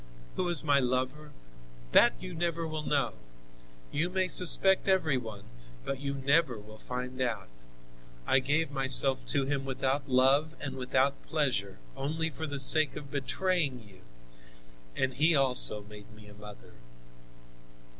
Who was my lover? That you never will know! You may suspect every one, but you never will find out. I gave myself to him, without love and without pleasure, only for the sake of betraying you, and he also made me a mother.